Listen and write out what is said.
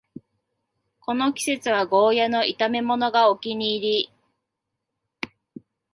この季節はゴーヤの炒めものがお気に入り